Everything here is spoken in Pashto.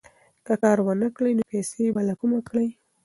که کار ونه کړې، نو پیسې به له کومه کړې؟